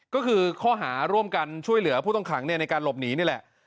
ก็คือข้อหาร่วมกันช่วยเหลือผู้ต้องขังในการหลบหนีนี่แหละ